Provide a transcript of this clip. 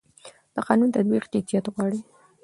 د قانون تطبیق جديت غواړي